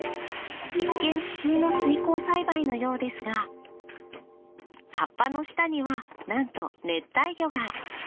一見普通の水耕栽培のようですが葉っぱの下にはなんと熱帯魚が。